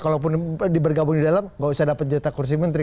kalaupun bergabung di dalam gak usah dapat jatah kursi menteri